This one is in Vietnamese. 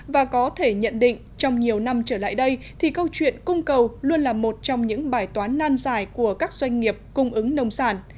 và có thể nhận định trong nhiều năm trở lại đây thì câu chuyện cung cầu luôn là một trong những bài toán nan giải của các doanh nghiệp cung ứng nông sản